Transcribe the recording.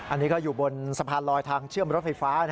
อันนี้ก็อยู่บนสะพานลอยทางเชื่อมรถไฟฟ้า